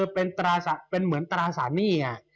เพราะว่าคือเป็นเหมือนตราสารหนี้